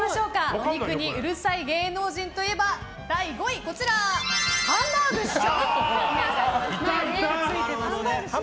お肉にうるさい芸能人といえば第５位、ハンバーグ師匠。